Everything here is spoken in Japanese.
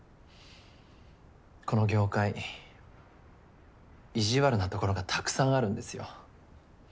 この業界意地悪なところがたくさんあるんですよ。